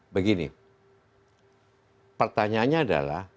begini pertanyaannya adalah